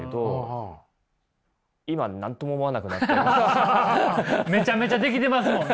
ハハハハハハめちゃめちゃできてますもんね！